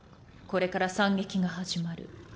これから惨劇が始まる。